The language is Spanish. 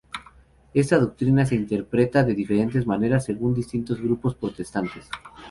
Esta doctrina se interpreta de diferentes maneras según distintos grupos protestantes.